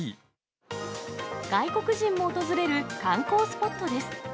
外国人も訪れる観光スポットです。